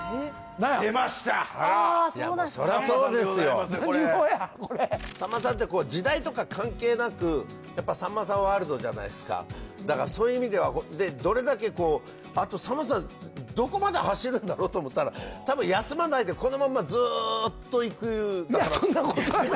何をやこれさんまさんって時代とか関係なくやっぱさんまさんワールドじゃないっすかだからそういう意味ではあとさんまさんどこまで走るんだろうと思ったら多分休まないでこのままずっといくいや